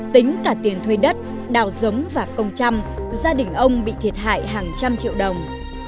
tính cả tiền thuê đất đào giống và công chăm gia đình ông bị thiệt hại hàng trăm triệu đồng